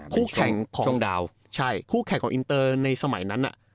ผู้แข่งของอินเตอร์ในสมัยนั้นนะ